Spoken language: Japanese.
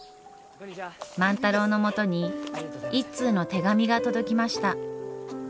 万太郎のもとに一通の手紙が届きました。